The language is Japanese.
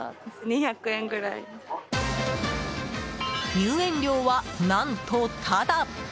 入園料は何と、タダ！